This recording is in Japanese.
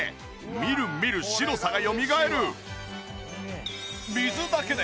みるみる白さがよみがえる。